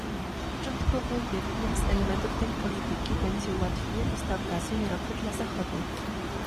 Początkowo jednym z elementów tej polityki będzie ułatwienie dostaw gazu i ropy dla Zachodu